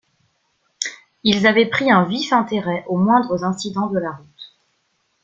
Ils avaient pris un vif intérêt aux moindres incidents de la route.